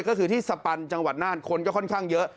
ก็คือที่สปันจังหวัดน่านคนก็ค่อนข้างเยอะ